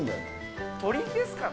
鳥ですかね？